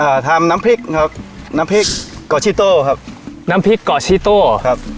ทำน้ำพริกครับน้ำพริกก่อชิโต้ครับน้ำพริกก่อชิโต้ครับ